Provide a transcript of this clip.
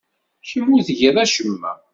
Kemm ur tgiḍ acemma.